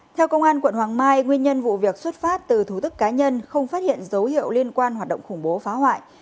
theo công an quận hoàng mai nguyên nhân vụ việc xuất phát từ thú tức cá nhân không phát hiện dấu hiệu liên quan hoạt động khủng bố phá hoại